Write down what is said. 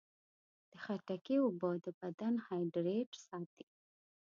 د خټکي اوبه د بدن هایډریټ ساتي.